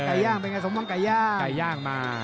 สมวงไก่ย่างเป็นไงสมวงไก่ย่าง